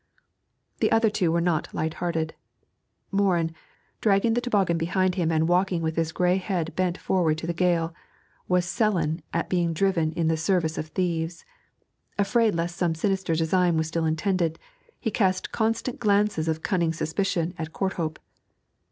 The other two were not light hearted. Morin, dragging the toboggan behind him and walking with his grey head bent forward to the gale, was sullen at being driven in the service of thieves; afraid lest some sinister design was still intended, he cast constant glances of cunning suspicion at Courthope.